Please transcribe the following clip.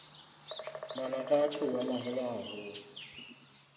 Manaka a tlou a maholo haholo.